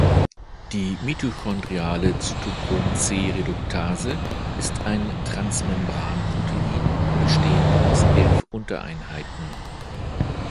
Die mitochondriale Cytochrom-"c"-Reduktase ist ein Transmembranprotein, bestehend aus elf Untereinheiten.